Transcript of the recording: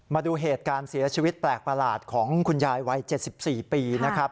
มาดูเหตุการณ์เสียชีวิตแปลกประหลาดของคุณยายวัย๗๔ปีนะครับ